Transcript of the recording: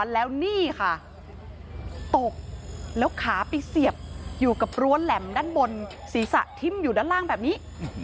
แล้วนี่ค่ะตกแล้วขาไปเสียบอยู่กับรั้วแหลมด้านบนศีรษะทิ้มอยู่ด้านล่างแบบนี้